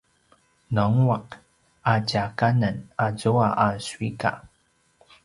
nangua’ a tja kanen azua a suika!